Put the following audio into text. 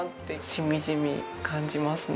しみじみ感じますね。